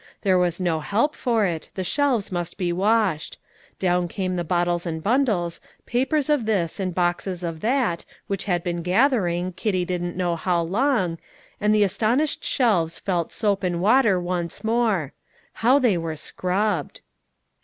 There was no help for it, the shelves must be washed; down came the bottles and bundles, papers of this and boxes of that, which had been gathering, Kitty didn't know how long, and the astonished shelves felt soap and water once more. How they were scrubbed!